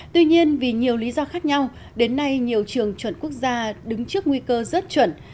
tuy nhiên vì nhiều lý do khác nhau đến nay nhiều trường chuẩn quốc gia đứng trước nguy cơ rớt chuẩn